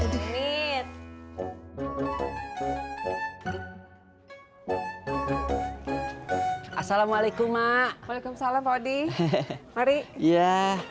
assalamualaikum mak waalaikumsalam odi mari ya